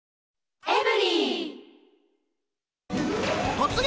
突撃！